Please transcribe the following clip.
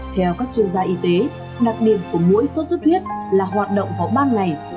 theo các chuyên gia y tế đặc điểm của mũi sốt xuất huyết là hoạt động có ba ngày